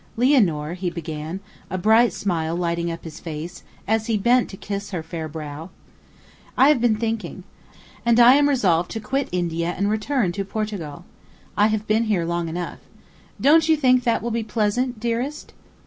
"Lianor," he began, a bright smile lighting up his face as he bent to kiss her fair brow, "I have been thinking, and am resolved to quit India and return to Portugal. I have been here long enough. Don't you think that will be pleasant, dearest?"